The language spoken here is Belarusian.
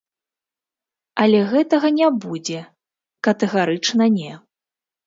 Але гэтага не будзе, катэгарычна не.